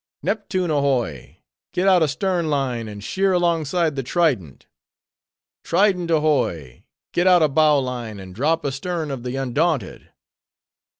—"Neptune ahoy! get out a stern line, and sheer alongside the Trident!"—"Trident ahoy! get out a bowline, and drop astern of the Undaunted!"